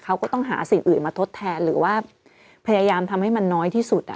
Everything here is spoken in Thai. เขาก็ต้องหาสิ่งอื่นมาทดแทนหรือว่าพยายามทำให้มันน้อยที่สุด